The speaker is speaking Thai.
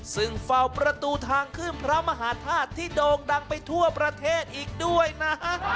ซึ่งเฝ้าประตูทางขึ้นพระมหาธาตุที่โด่งดังไปทั่วประเทศอีกด้วยนะ